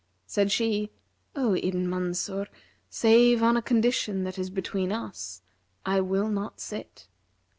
Said she, 'O Ibn Mansur, save on a condition that is between us, I will not sit.'